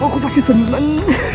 aku pasti seneng